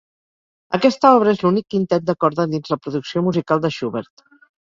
Aquesta obra és l'únic quintet de corda dins la producció musical de Schubert.